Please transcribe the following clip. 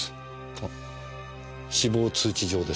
あ死亡通知状ですね。